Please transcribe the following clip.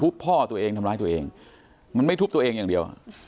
พ่อตัวเองทำร้ายตัวเองมันไม่ทุบตัวเองอย่างเดียว